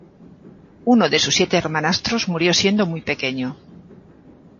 Uno de sus siete hermanastros murió siendo muy pequeño.